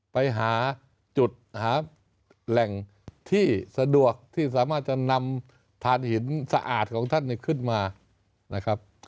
ไปหาจุดหาแหล่งที่สะดวกที่สามารถจะนำฐานหินสะอาดของท่านขึ้นมานะครับ